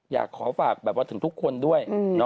อยากขอฝากแบบว่าถึงทุกคนด้วย